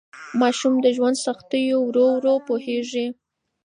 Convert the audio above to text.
ماشوم د ژوند سختیو ته ورو ورو پوهیږي.